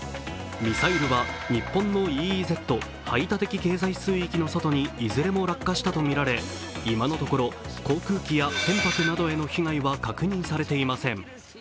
ミサイルは、日本のＥＥＺ＝排他的経済水域の外にいずれも落下したとみられ今のところ航空機や船舶などの被害は確認されていません。